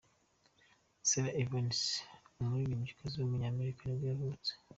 Sara Evans, umuririmbyikazi w’umunyamerika nibwo yavutse.